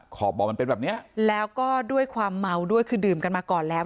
ขอบบ่อมันเป็นแบบเนี้ยแล้วก็ด้วยความเมาด้วยคือดื่มกันมาก่อนแล้ว